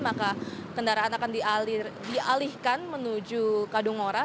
maka kendaraan akan dialihkan menuju kadungora